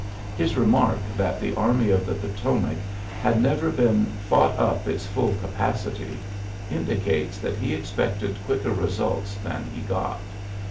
His remark that the Army of the Poto mac had never been " fought up its fall capacity'' indicates that he expected quicker results than he got.